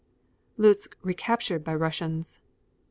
Lutsk recaptured by Russians.